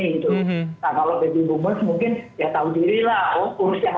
atau ada beberapa baby boomers yang memang mengerti silakan gitu